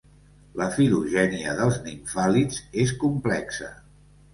La filogènia dels nimfàlids és complexa.